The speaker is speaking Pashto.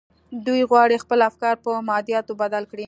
دوی غواړي خپل افکار پر مادياتو بدل کړي.